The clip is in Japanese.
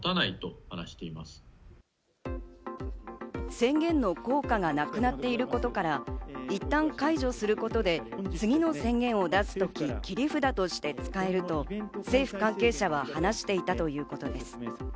宣言の効果がなくなっていることから、いったん解除することで次の宣言を出すとき、切り札として使えると政府関係者は話していたということです。